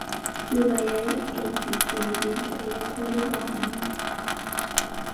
Juba yali ejjudde ebintu ebikolebwa wano.